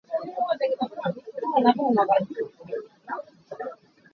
Mah le mah i porhlawt cu a ṭha lo.